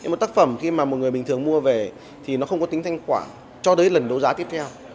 một tác phẩm khi mà một người bình thường mua về thì nó không có tính thanh khoản cho đến lần đấu giá tiếp theo